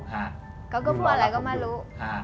เขาก็พูดอะไรก็ไม่รู้